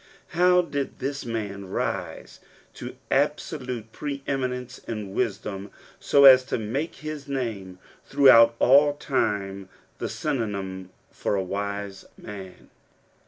How did this man rise to absolute pre^ eminence in wisdom, so as to make his name throughout all time the synonym for a wise man